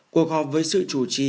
cuộc họp với sự chủ trì